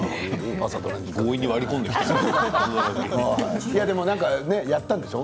強引に割り込んできた。